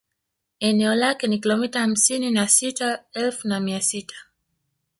Eneo lake ni kilomita hamsini na sita elfu na mia sita